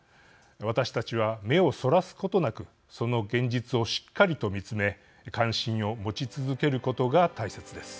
私たちは目をそらすことなくその現実をしっかりと見つめ関心を持ち続けることが大切です。